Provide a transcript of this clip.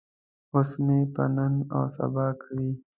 اوس مې په نن او سبا کوي.